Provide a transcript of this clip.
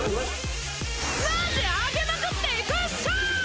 マジアゲまくっていくっしょ！！